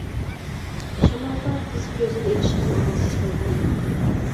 شامالدا قىز كۈزىنى ئېچىشقىمۇ ئامالسىز قالغان ئىدى.